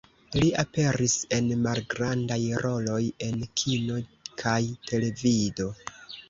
Li aperis en malgrandaj roloj en kino kaj televido.